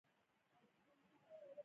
هغه راته وويل چې درځم